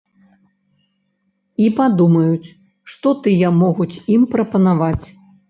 І падумаюць, што тыя могуць ім прапанаваць.